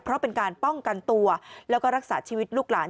เพราะเป็นการป้องกันตัวแล้วก็รักษาชีวิตลูกหลาน